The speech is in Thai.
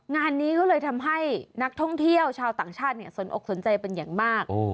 งานนี้ก็เลยทำให้นักท่องเที่ยวชาวต่างชาติสนอกสนใจเป็นอย่างมาก